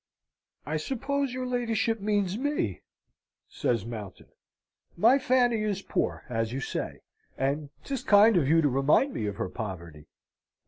"I suppose your ladyship means me!" says Mountain. "My Fanny is poor, as you say; and 'tis kind of you to remind me of her poverty!"